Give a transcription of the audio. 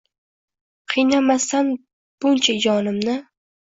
Qiynamasdan buncha jonimni…